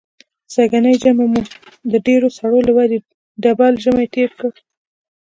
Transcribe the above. سږنی ژمی مو د ډېرو سړو له وجې ډبل ژمی تېر کړ.